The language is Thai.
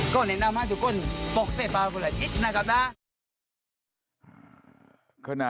ก็แนะนำให้ทุกคนพอเซฟฟาร์โคละอีกนะครับนะ